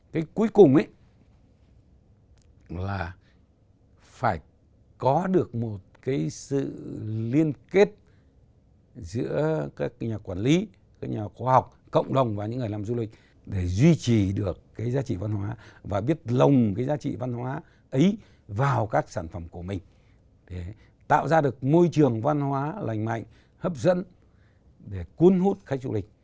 cái cuối cùng là phải có được một cái sự liên kết giữa các nhà quản lý các nhà khoa học cộng đồng và những người làm du lịch để duy trì được cái giá trị văn hóa và biết lồng cái giá trị văn hóa ấy vào các sản phẩm của mình để tạo ra được môi trường văn hóa lành mạnh hấp dẫn để cuốn hút khách du lịch